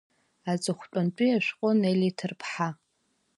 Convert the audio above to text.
Аҵыхәтәантәи ашәҟәы Нели Ҭарԥҳа.